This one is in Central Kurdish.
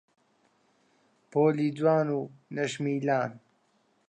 پۆلی جوان و نەشمیلان